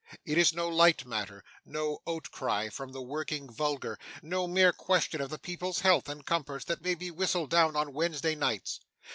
It is no light matter no outcry from the working vulgar no mere question of the people's health and comforts that may be whistled down on Wednesday nights.